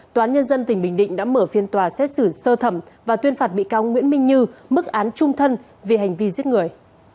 tòa án nhân dân tỉnh bình định đã mở phiên tòa xét xử sơ thẩm và tuyên phạt bị cáo nguyễn minh như mức án trung thân vì hành vi giết người